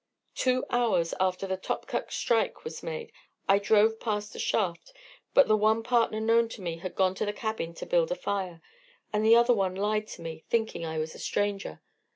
"Two hours after the Topkuk strike was made I drove past the shaft, but the one partner known to me had gone to the cabin to build a fire, and the other one lied to me, thinking I was a stranger.